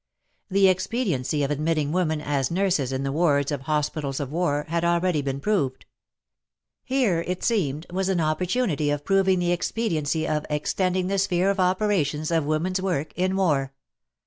The expediency of admitting women as nurses in the wards of hospitals of war had already been proved. Here, it seemed, was an opportunity of proving the expediency of extending the sphere of opera tions of women's work in war.